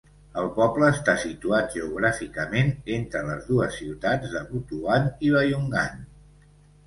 El poble està situat geogràficament entre les dues ciutats de Butuan i Bayungan.